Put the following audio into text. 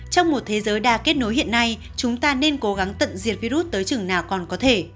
trong một thế giới đa kết nối hiện nay chúng ta nên cố gắng tận diệt virus tới chừng nào còn có thể